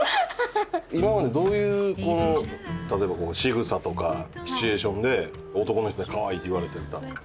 今までどういう例えばしぐさとかシチュエーションで男の人にかわいいって言われてきた？